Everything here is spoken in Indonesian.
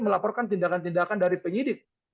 melaporkan tindakan tindakan dari penyidik